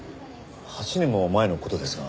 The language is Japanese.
８年も前の事ですが。